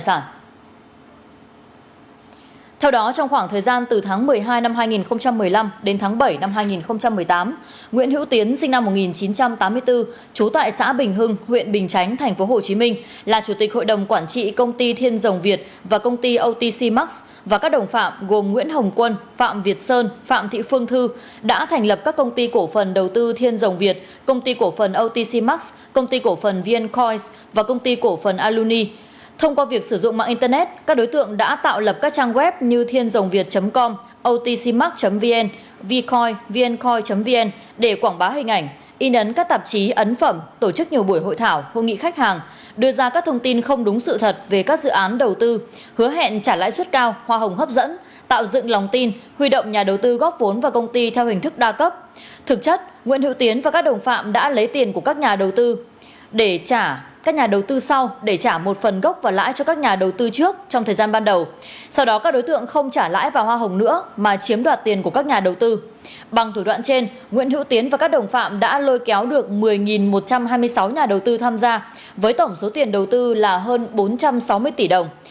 bằng thủ đoạn trên nguyễn hữu tiến và các đồng phạm đã lôi kéo được một mươi một trăm hai mươi sáu nhà đầu tư tham gia với tổng số tiền đầu tư là hơn bốn trăm sáu mươi tỷ đồng các đối tượng khai nhận đã chiếm hưởng số tiền hơn bốn mươi tỷ đồng